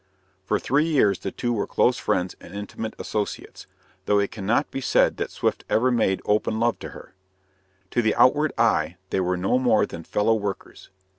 For three years the two were close friends and intimate associates, though it cannot be said that Swift ever made open love to her. To the outward eye they were no more than fellow workers.